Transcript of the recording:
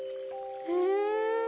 ふん。